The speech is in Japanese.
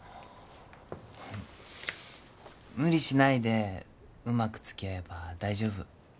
無理しないでうまくつきあえば大丈夫。